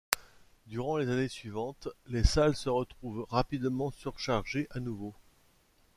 Durant les années suivantes, les salles se retrouvent rapidement surchargées à nouveau.